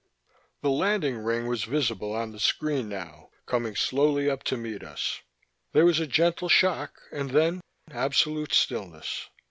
The landing ring was visible on the screen now, coming slowly up to meet us. There was a gentle shock and then absolute stillness.